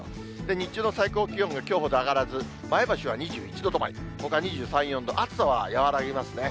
日中の最高気温がきょうほど上がらず、前橋は２１度止まり、ほか２３、４度、暑さは和らぎますね。